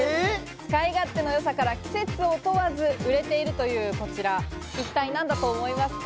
使い勝手のよさから季節を問わず売れているというこちら一体何だと思いますか？